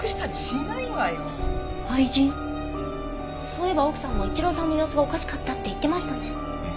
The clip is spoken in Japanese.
そういえば奥さんが一郎さんの様子がおかしかったって言ってましたね。